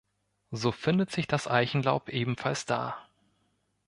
So findet sich das Eichenlaub ebenfalls da.